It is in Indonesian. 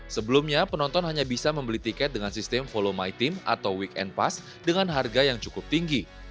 sebelumnya penonton hanya bisa membeli tiket dengan sistem follow my team atau weekend pass dengan harga yang cukup tinggi